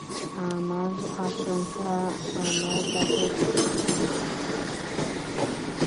আমার আশঙ্কা, আমার ডাকের চিঠিপত্র খুবই ঘুরে বেড়াচ্ছে।